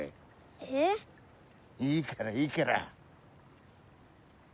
いいからいいから。